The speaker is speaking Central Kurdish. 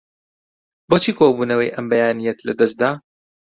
بۆچی کۆبوونەوەی ئەم بەیانییەت لەدەست دا؟